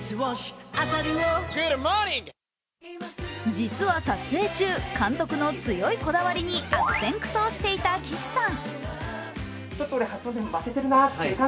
実は撮影中、監督の強いこだわりに悪戦苦闘していた岸さん。